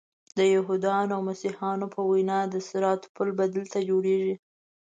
د یهودانو او مسیحیانو په وینا د صراط پل به دلته جوړیږي.